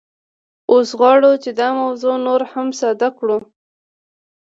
اوس غواړو چې دا موضوع نوره هم ساده کړو